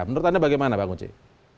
menurut anda bagaimana pak muncik